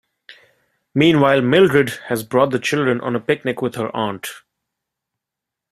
Meanwhile, Mildred has brought the children on a picnic with her aunt.